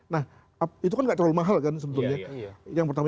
nah itu kan nggak terlalu mahal kan sebetulnya